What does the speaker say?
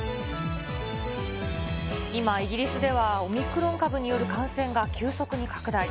今、イギリスではオミクロン株による感染が急速に拡大。